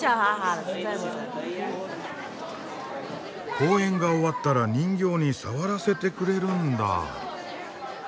公演が終わったら人形に触らせてくれるんだ。